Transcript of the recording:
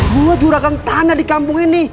gua jurakan tanah di kampung ini